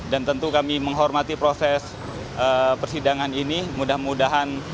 dan tentu kami menghormati proses persidangan ini mudah mudahan